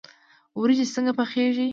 وریجې څنګه پخیږي؟